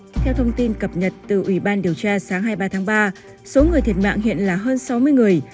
theo thông tin cập nhật từ ủy ban điều tra sáng hai mươi ba tháng ba số người thiệt mạng hiện là hơn sáu mươi người